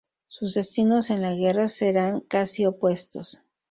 Sus destinos en la guerra serán casi opuestos.